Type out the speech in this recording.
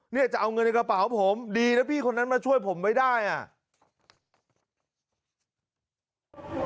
เนี่ยจะเอาเงินในกระเป๋าผมดีนะพี่คนนั้นมาช่วยผมไว้ได้อ่ะ